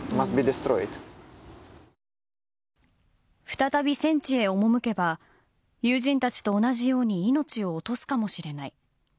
再び戦地へ赴けば友人たちと同じように命を落とすかもしれない。